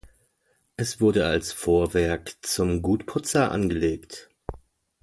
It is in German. Es wurde als Vorwerk zum Gut Putzar angelegt.